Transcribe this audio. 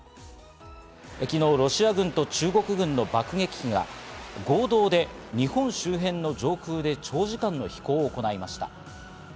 昨日、ロシア軍と中国軍の爆撃機が合同で日本の上空で長時間、飛行を行いました。